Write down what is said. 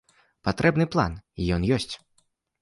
Патрэбны план, і ён ёсць.